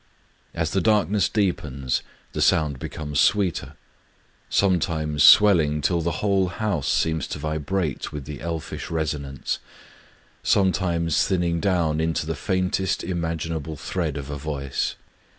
As the darkness deepens, the sound becomes sweeter, — sometimes swelling till the whole house seems to vibrate with the elfish resonance, — sometimes thinning down into the faint est imaginable thread of a voice.